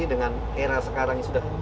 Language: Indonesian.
dengan era sekarang sudah